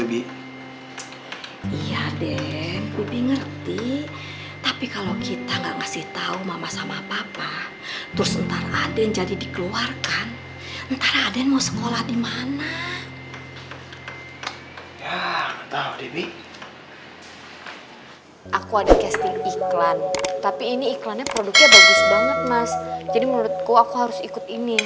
bagus banget mas jadi menurutku aku harus ikut ini